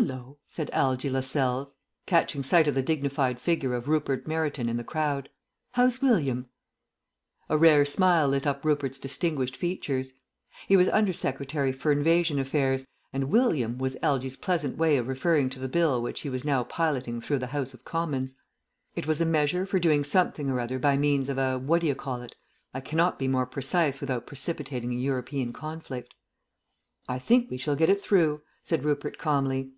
"Hallo," said Algy Lascelles, catching sight of the dignified figure of Rupert Meryton in the crowd; "how's William?" A rare smile lit up Rupert's distinguished features. He was Under Secretary for Invasion Affairs, and "William" was Algy's pleasant way of referring to the Bill which he was now piloting through the House of Commons. It was a measure for doing something or other by means of a what d'you call it I cannot be more precise without precipitating a European Conflict. "I think we shall get it through," said Rupert calmly.